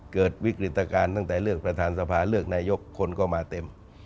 เกิดวิกฤตการณ์ตั้งแต่เลือกประธานสภาเลือกนายกคนก็มาเต็ม